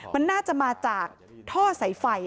มันน่าจะมาจากท่อสายไฟ